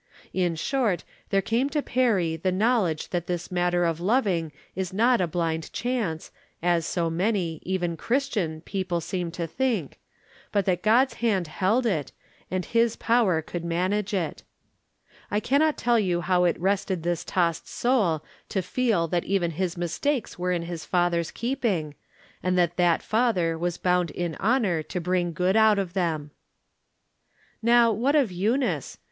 In short, there came to Perry the knowledge that this matter of loving is not a blind chance, as so many, even Christian, people seem to think, but that God's hand held it, and his power could manage it. I can not tell you how it rested this tossed soul to feel that even his mistakes were in his Father's keeping, and that that Father was bound in honor to bring good out of them. Now what of Eunice